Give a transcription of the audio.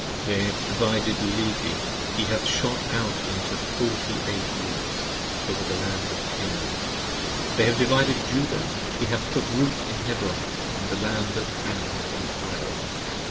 90 They have divided Levi: he hath shot out into Forty eight Roots Over the Land of Canaan: they have divided Judah: He hath took Root in Hebron, in the Land of Hand & Hyle.